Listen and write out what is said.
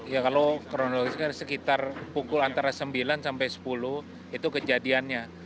ya kalau kronologisnya sekitar pukul antara sembilan sampai sepuluh itu kejadiannya